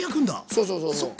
そうそうそうそう。